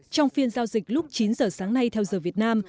trong phiên giao dịch lúc chín giờ sáng nay theo giờ việt nam